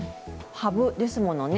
ハブですものね。